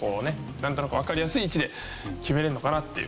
なんとなくわかりやすい位置で決めるのかなっていう。